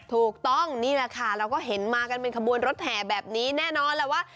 ถูกต้องนี่แหละค่ะเราก็เห็นมากันเป็นขบวนรถแห่แบบนี้แน่นอนแหละว่า